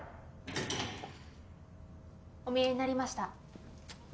お見えになりました